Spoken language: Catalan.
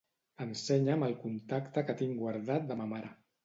Ensenya'm el contacte que tinc guardat de ma mare.